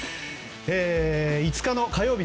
５日の火曜日。